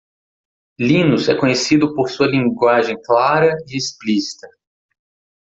Linus é conhecido por sua linguagem clara e explícita.